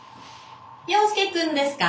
陽介くんですか？